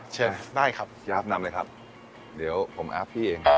ชิวได้ครับคุณอาฟนำเลยครับเดี๋ยวผมอาฟพี่เอง